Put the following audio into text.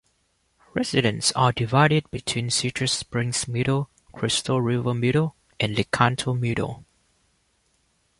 Residents are divided between Citrus Springs Middle, Crystal River Middle, and Lecanto Middle.